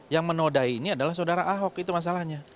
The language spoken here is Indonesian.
yang menodai ini adalah saudara ahok itu masalahnya